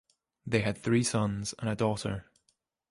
They had three sons and a daughter.